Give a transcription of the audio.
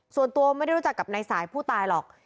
ส่วนตัวไม่ได้รู้จักกับนายสายผู้ตายหรอก